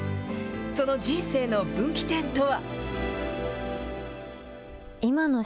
その人生の分岐点とは？